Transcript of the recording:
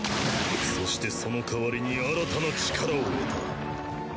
そしてその代わりに新たな力を得た。